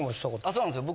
そうなんですよ